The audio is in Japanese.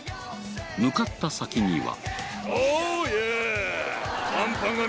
向かった先には。